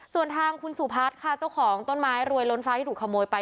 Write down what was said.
ส่วนทางคุณสุพัฒน์ค่ะเจ้าของต้นไม้รวยล้นฟ้าที่ถูกขโมยไป